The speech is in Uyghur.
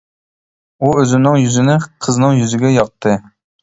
ئۇ ئۆزىنىڭ يۈزىنى قىزنىڭ يۈزىگە ياقاتتى.